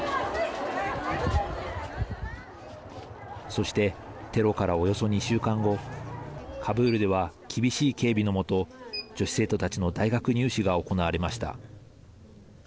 そしてテロからおよそ２週間後カブールでは厳しい警備の下女子生徒たちの大学入試が行われました。